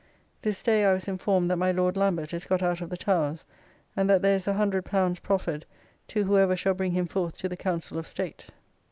This day I was informed that my Lord Lambert is got out of the Towers and that there is L100 proffered to whoever shall bring him forth to the Council of State.